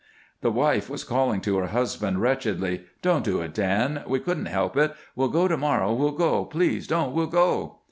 The wife was calling to her husband, wretchedly: "Don't do it, Dan. We couldn't help it. We'll go to morrow. We'll go. Please don't! We'll go."